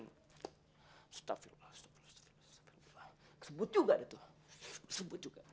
astaghfirullah astaghfirullah astaghfirullah kesebut juga dia tuh kesebut juga